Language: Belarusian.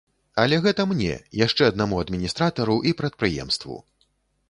Але гэта мне, яшчэ аднаму адміністратару і прадпрыемству.